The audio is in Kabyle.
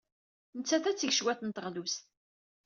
Nettat ad d-teg cwiṭ n teɣlust.